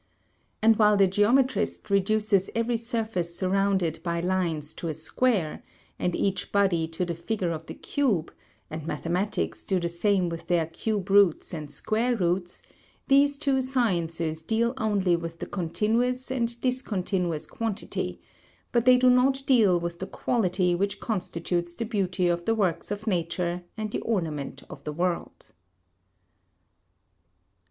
And while the geometrist reduces every surface surrounded by lines to a square, and each body to the figure of the cube, and mathematics do the same with their cube roots and square roots, these two sciences deal only with the continuous and discontinuous quantity, but they do not deal with the quality which constitutes the beauty of the works of nature and the ornament of the world.